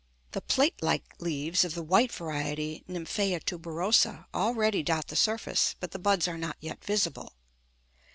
The plate like leaves of the white variety (nymphæa tuberosa) already dot the surface, but the buds are not yet visible.